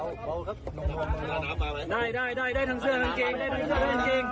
โอเคครับได้ทั้งเสื้อทางกิง